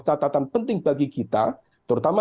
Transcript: catatan penting bagi kita terutama